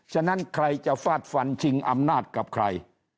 ฉะนั้นใครจะฟาดฟันชิงอำนาจกับใคร